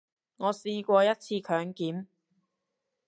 我試過一次強檢